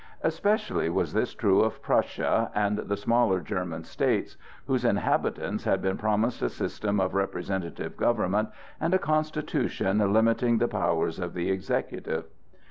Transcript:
Especially was this true of Prussia and the smaller German states, whose inhabitants had been promised a system of representative government and a constitution limiting the powers of the executive.